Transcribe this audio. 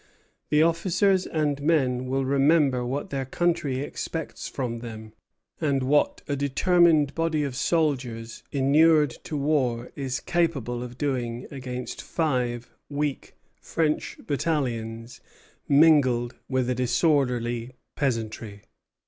The officers and men will remember what their country expects from them, and what a determined body of soldiers inured to war is capable of doing against five weak French battalions mingled with a disorderly peasantry."